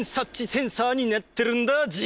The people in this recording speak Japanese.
センサーになってるんだＧ。